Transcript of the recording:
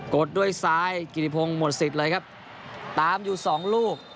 ดด้วยซ้ายกิติพงศ์หมดสิทธิ์เลยครับตามอยู่สองลูก